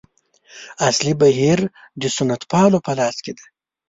اصلي بهیر د سنتپالو په لاس کې دی.